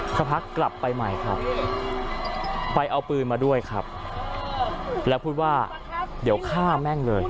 สักพักกลับไปใหม่ครับไปเอาปืนมาด้วยครับแล้วพูดว่าเดี๋ยวฆ่าแม่งเลย